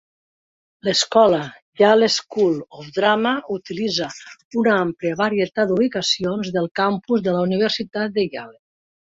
L'escola Yale School of Drama utilitza una àmplia varietat d'ubicacions del campus de la Universitat de Yale.